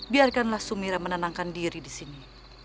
biarkanlah sumira menenangkan diri disini